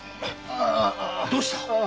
どうした！？